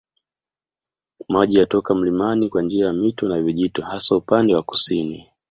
Maji yatoka mlimani kwa njia ya mito na vijito hasa upande wa kusini